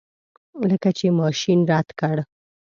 لکه چې ماشین رد کړ.